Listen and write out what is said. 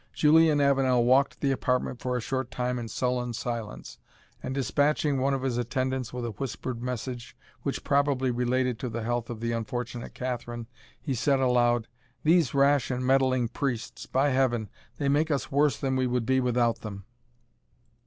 Julian Avenel walked the apartment for a short time in sullen silence, and despatching one of his attendants with a whispered message, which probably related to the health of the unfortunate Catherine, he said aloud, "These rash and meddling priests By Heaven! they make us worse than we would be without them."